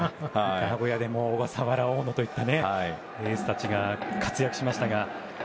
名古屋でも小笠原、大野といったエースたちが活躍しましたが。